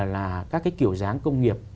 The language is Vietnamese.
là các kiểu dáng công nghiệp